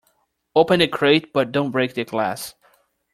Open the crate but don't break the glass.